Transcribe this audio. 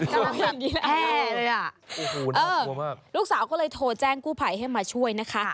แห่เลยอะลูกสาวก็เลยโทรแจ้งกู้ไพให้มาช่วยนะคะ